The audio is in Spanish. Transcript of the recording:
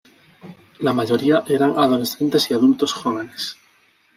La mayoría eran adolescentes y adultos jóvenes.